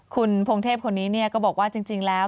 คุณพงเทพคนนี้ก็บอกว่าจริงแล้ว